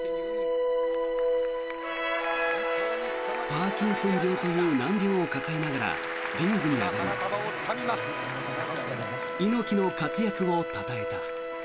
パーキンソン病という難病を抱えながらリングに上がり猪木の活躍をたたえた。